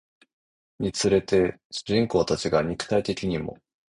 につれて主人公たちが肉体的にも